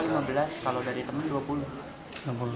rp lima belas kalau dari teman rp dua puluh